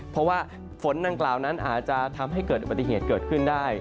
เพราะว่าฝนดังกล่าวนั้นอาจจะทำให้เกิดอุบัติเหตุเกิดขึ้นได้